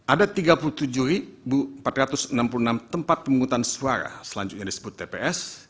ada tiga puluh tujuh empat ratus enam puluh enam tempat pemungutan suara selanjutnya disebut tps